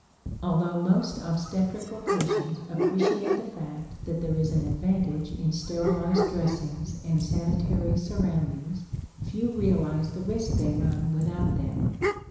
Although most obstetrical patients appreciate the fact that there is an advantage in sterilized dressings and sanitary surroundings, few realize the risk they run without them.